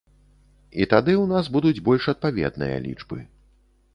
І тады ў нас будуць больш адпаведныя лічбы.